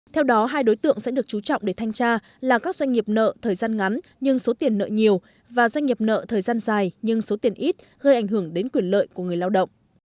theo đó hai đối tượng sẽ được chú trọng để thanh tra là các doanh nghiệp nợ thời gian ngắn nhưng số tiền nợ nhiều và doanh nghiệp nợ thời gian dài nhưng số tiền ít gây ảnh hưởng đến quyền lợi của người lao động